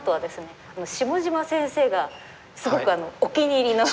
下島先生がすごくお気に入りの。